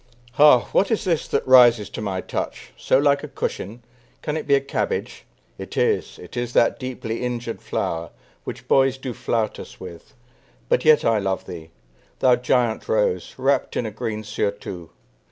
Ha! what is this that rises to my touch, So like a cushion? Can it be a cabbage? It is, it is that deeply injured flower, Which boys do flout us with; but yet I love thee, Thou giant rose, wrapped in a green surtout.